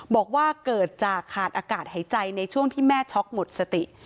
บอกว่าเกิดจากขาดอากาศหายใจในช่วงที่แม่ช็อกหมดสติ